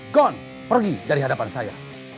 gon pergi dari hadapan saya